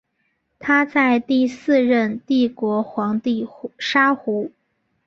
他在第四任帝国皇帝沙胡。